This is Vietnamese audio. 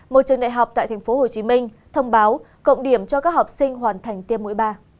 một trường đại học tại thành phố hồ chí minh thông báo cộng điểm cho các học sinh hoàn thành tiêm mũi ba